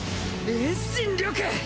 遠心力！